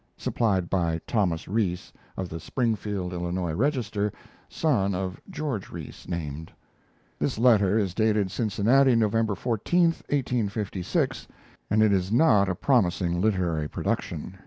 [Supplied by Thomas Rees, of the Springfield (Illinois) Register, son of George Rees named.] This letter is dated Cincinnati, November 14, 1856, and it is not a promising literary production.